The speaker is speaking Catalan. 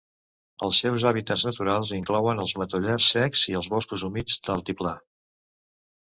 Els seus hàbitats naturals inclouen els matollars secs i els boscos humits d'altiplà.